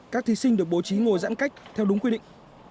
các thí sinh được bố trí ngồi giãn cách theo đúng quy định